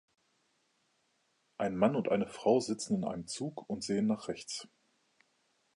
Ein Mann und eine Frau sitzen in einem Zug und sehen nach rechts.